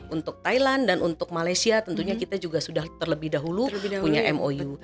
untuk thailand dan untuk malaysia tentunya kita juga sudah terlebih dahulu punya mou